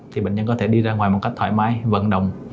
thì bệnh nhân có thể đi ra ngoài một cách thoải mái vận động